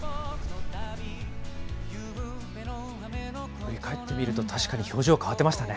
振り返ってみると、確かに表情変わってましたね。